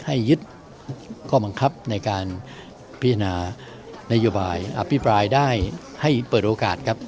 ให้ยึดข้อบังคับในการพิจารณานโยบายอภิปรายได้ให้เปิดโอกาสครับ